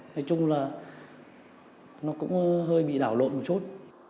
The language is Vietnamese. nói chung là nó cũng hơi bị đảo lộn một chút